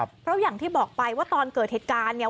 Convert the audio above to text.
เพราะอย่างที่บอกไปว่าตอนเกิดเหตุการณ์เนี่ย